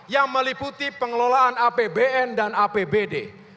yang meliputi pengelolaan apbn dan apbd